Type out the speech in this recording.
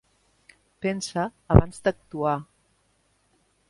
Pensa abans d'actuar.